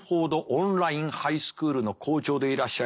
オンラインハイスクールの校長でいらっしゃいます。